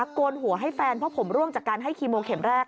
โกนหัวให้แฟนเพราะผมร่วงจากการให้คีโมเข็มแรก